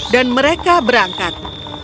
dan mereka berangkat